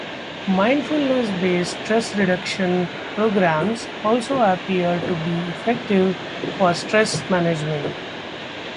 Mindfulness based stress reduction programs also appear to be effective for stress management.